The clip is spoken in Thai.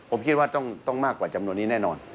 ผมคิดว่าต้องมากกว่าจำนวนนี้แน่นอน